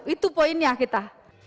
itu poinnya kita